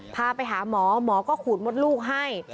พาไปหาหมอหมอก็ขูดมดลูกให้